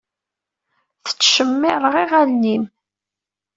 Tettcemmiṛeɣ iɣallen-im.